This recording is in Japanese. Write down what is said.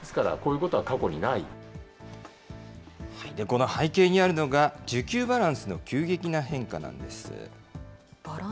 この背景にあるのが、需給バランスの急激な変化なんです。